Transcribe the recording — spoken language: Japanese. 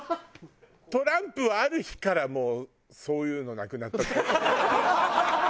トランプはある日からもうそういうのなくなったと思う。